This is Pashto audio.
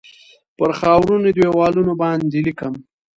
پر خاورینو دیوالونو باندې لیکم